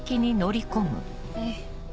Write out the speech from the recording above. ええ。